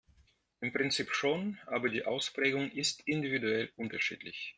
Im Prinzip schon, aber die Ausprägung ist individuell unterschiedlich.